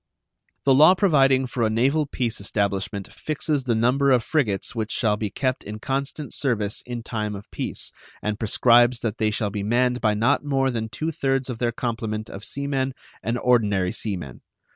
The law providing for a naval peace establishment fixes the number of frigates which shall be kept in constant service in time of peace, and prescribes that they shall be manned by not more than two thirds of their complement of sea men and ordinary sea men.